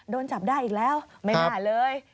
โดนจับได้อีกแล้วไม่น่าเลย